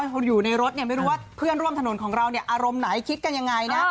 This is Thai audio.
คนอยู่ในรถเนี่ยไม่รู้ว่าเพื่อนร่วมถนนของเราเนี่ยอารมณ์ไหนคิดกันยังไงนะ